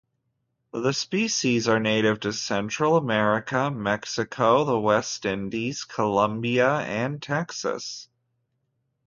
The species are native to Central America, Mexico, the West Indies, Colombia, and Texas.